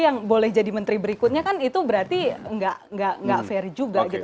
yang boleh jadi menteri berikutnya kan itu berarti nggak fair juga gitu